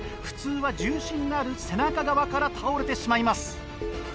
普通は重心のある背中側から倒れてしまいます。